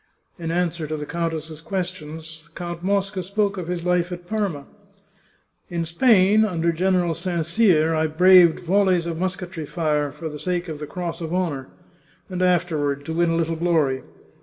In answer to the countess's questions, Count Mosca spoke of his life at 98 The Chartreuse of Parma Parma :" In Spain, under General St. Cyr, I braved volleys of musketry fire for the sake of the Cross of Honour, and afterward to win a little glory.